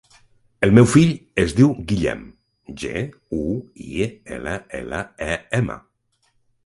El meu fill es diu Guillem: ge, u, i, ela, ela, e, ema.